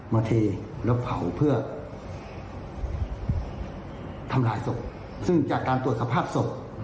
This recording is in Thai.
เทแล้วเผาเพื่อทำลายศพซึ่งจากการตรวจสภาพศพ